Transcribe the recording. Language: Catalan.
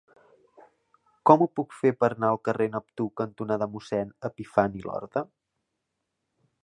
Com ho puc fer per anar al carrer Neptú cantonada Mossèn Epifani Lorda?